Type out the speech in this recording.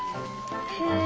へえ。